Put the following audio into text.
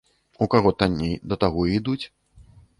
У каго танней, да таго і ідуць.